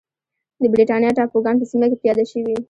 د برېټانیا ټاپوګان په سیمه کې پیاده شوې.